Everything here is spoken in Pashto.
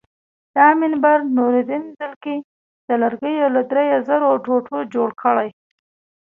دا منبر نورالدین زنګي د لرګیو له درې زرو ټوټو جوړ کړی.